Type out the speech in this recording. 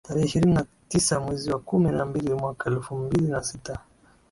tarehe ishirini na tisa mwezi wa kumi na mbili mwaka elfu mbili na sita